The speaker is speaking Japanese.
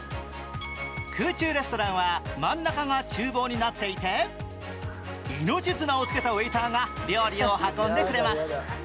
空中レストランは真ん中がちゅう房になっていて命綱をつけたウエイターが料理を運んでくれます。